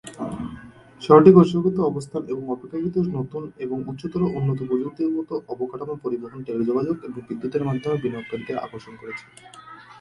শহরটি কৌশলগত অবস্থান এবং অপেক্ষাকৃত নতুন এবং উচ্চতর উন্নত প্রযুক্তিগত অবকাঠামো পরিবহন, টেলিযোগাযোগ এবং বিদ্যুতের মাধ্যমে বিনিয়োগকারীদের আকর্ষণ করেছে।